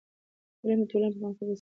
علم د ټولنې د پرمختګ وسیله ده.